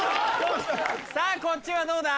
さぁこっちはどうだ？